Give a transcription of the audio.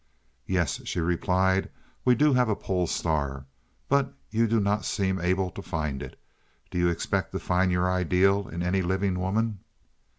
"Yes," she replied, "we do have a pole star, but you do not seem able to find it. Do you expect to find your ideal in any living woman?"